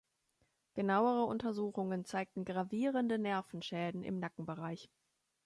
Genauere Untersuchungen zeigten gravierende Nervenschäden im Nackenbereich.